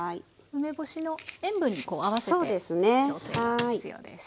梅干しの塩分に合わせて調整が必要です。